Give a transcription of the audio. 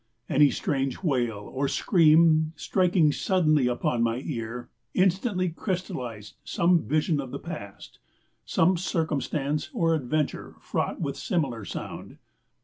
Any strange wail or scream striking suddenly upon my ear instantly crystallized some vision of the past some circumstance or adventure fraught with similar sound.